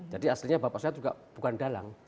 jadi aslinya bapak saya juga bukan dalang